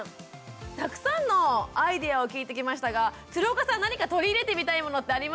たくさんのアイデアを聞いてきましたが鶴岡さん何か取り入れてみたいものってありましたか？